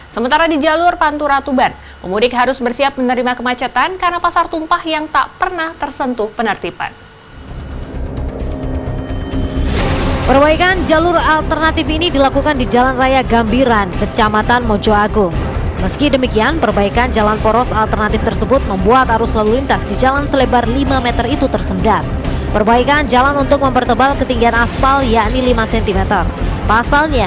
sementara di jalur pantura tuban pemudik harus bersiap menerima kemacetan karena pasar tumpah yang tak pernah tersentuh penertiban